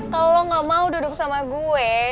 kalau lo nggak mau duduk sama gue